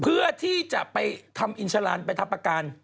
เพื่อที่จะไปทำอินชาลันไปทำประกัน